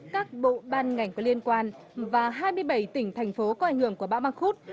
các bộ ban ngành có liên quan và hai mươi bảy tỉnh thành phố có ảnh hưởng của bão mang khúc